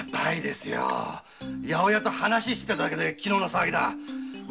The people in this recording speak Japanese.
八百屋と話しただけで昨日の騒ぎだ。